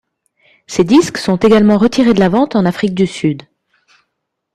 Ses disques sont également retirés de la vente en Afrique du Sud.